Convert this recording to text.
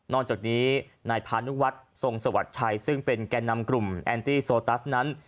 จากนี้นายพานุวัฒน์ทรงสวัสดิ์ชัยซึ่งเป็นแก่นำกลุ่มแอนตี้โซตัสนั้น